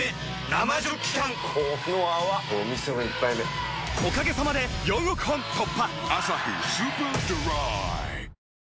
生ジョッキ缶この泡これお店の一杯目おかげさまで４億本突破！